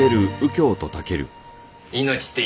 命って。